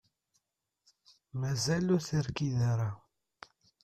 Mazal ur terkid ara.